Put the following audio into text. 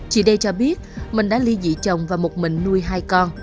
chị đê cho biết mình đã ly dị chồng và một mình nuôi hai con